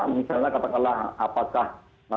misalnya katakanlah apakah